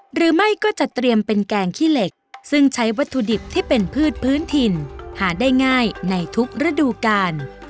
หรือไม่ก็จะเตรียมเป็นแกงขี้เหล็กซึ่งใช้วัตถุดิบที่เป็นพืชพื้นถิ่นหาได้ง่ายในทุกฤดูกาล